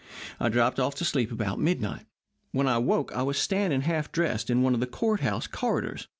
I dropped off to sleep about midnight. When I awoke I was standing half dressed in one of the court house corridors.